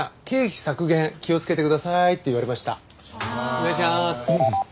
お願いします。